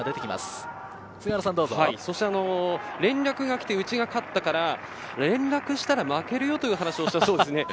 そして連絡が来て、うちが勝ったから連絡したら負けるよという話をしたそうです。